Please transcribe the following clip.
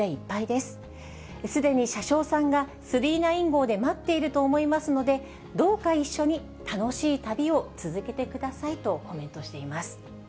すでに車掌さんが９９９号で待っていると思いますので、どうか一緒に楽しい旅を続けてくださいとコメントしています。